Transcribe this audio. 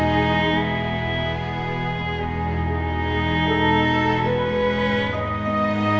dia sudah kembali ke rumah sakit